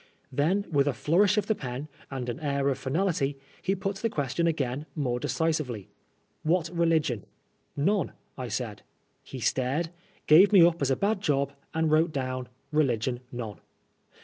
Then, with a flourish of the pen, and an air of finality, he put the question again more deci« Bively, " What religion ?'*" None," I said. He stared, gave me np as a bad job, and wrote down ^'Religion none."